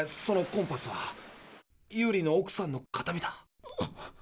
そのコンパスはユーリのおくさんの形見だ。